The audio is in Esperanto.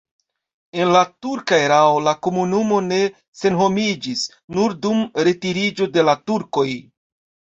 En la turka erao la komunumo ne senhomiĝis, nur dum retiriĝo de la turkoj.